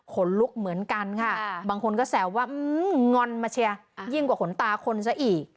ขนลุกเหมือนกันค่ะบางคนก็แซวว่างอนมาเชียร์ยิ่งกว่าขนตาคนซะอีก